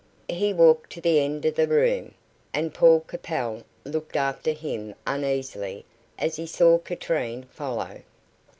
He walked to the end of the room, and Paul Capel looked after him uneasily as he saw Katrine follow.